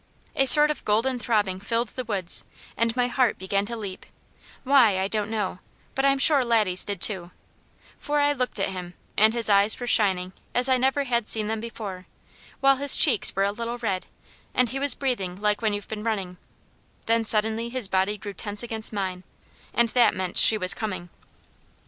A sort of golden throbbing filled the woods, and my heart began to leap, why, I don't know; but I'm sure Laddie's did too, for I looked at him and his eyes were shining as I never had seen them before, while his cheeks were a little red, and he was breathing like when you've been running; then suddenly his body grew tense against mine, and that meant she was coming.